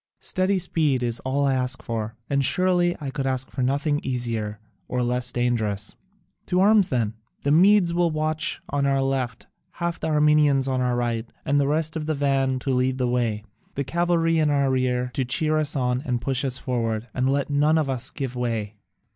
Steady speed is all I ask for, and surely I could ask for nothing easier or less dangerous. To arms then! The Medes will march on our left, half the Armenians on our right, and the rest in the van to lead the way, the cavalry in our rear, to cheer us on and push us forward and let none of us give way."